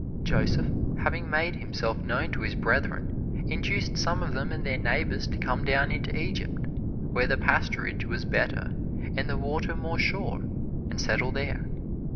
Joseph having made himself known to his brethren induced some of them and their neighbors to come down into Egypt, where the pasturage was better and the water more sure, and settle there.